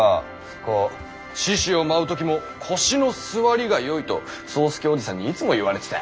こう獅子を舞う時も腰の据わりがよいと宗助おじさんにいつも言われてた。